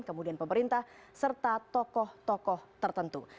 kemudian pemerintah serta tokoh tokoh tertentu